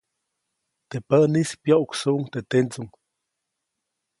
Teʼ päʼnis, pyoʼksuʼuŋ teʼ tendsuŋ.